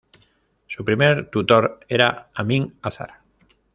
Su primer tutor era Amin Azar.